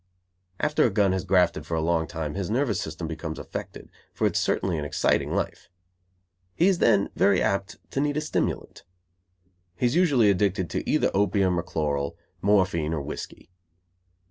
After a gun has grafted for a long time his nervous system becomes affected, for it is certainly an exciting life. He is then very apt to need a stimulant. He is usually addicted to either opium or chloral, morphine or whiskey.